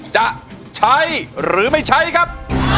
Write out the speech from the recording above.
จะใช้หรือไม่ใช้ครับ